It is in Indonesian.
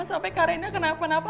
sampai kak reina kenapa napa